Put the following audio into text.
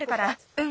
うん。